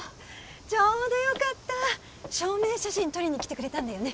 ちょうどよかった証明写真取りに来てくれたんだよね？